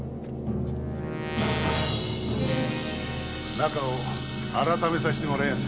中を改めさせてもらいやす。